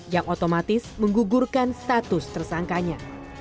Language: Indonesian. yang otomatis menggugurkan status tersangkanya